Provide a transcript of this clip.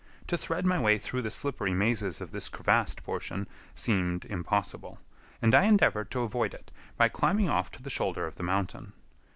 To thread my way through the slippery mazes of this crevassed portion seemed impossible, and I endeavored to avoid it by climbing off to the shoulder of the mountain.